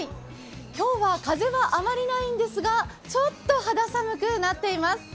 今日は風はあまりないんですが、ちょっと肌寒くなっています。